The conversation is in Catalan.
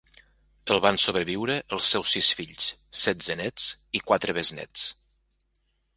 El van sobreviure els seus sis fills, setze nets i quatre besnéts.